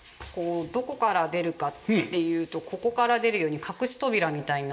どこから出るかっていうとここから出るように隠し扉みたいになってまして。